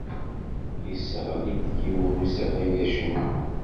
Yesseɣli-d yiwen n usafag acengu.